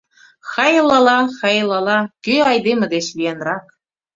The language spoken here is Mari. Хай-ла-ла, хай-ла-а, кӧ айдеме деч виянрак?